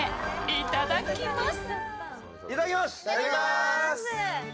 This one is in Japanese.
いただきます。